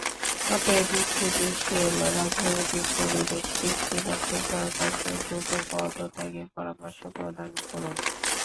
অতএব, স্থিতিশীল রাজনৈতিক পরিবেশ সৃষ্টির লক্ষ্যে সরকারকে দ্রুত পদত্যাগের পরামর্শ প্রদান করুন।